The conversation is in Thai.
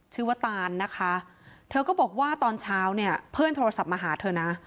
ตานนะคะเธอก็บอกว่าตอนเช้าเนี่ยเพื่อนโทรศัพท์มาหาเธอนะ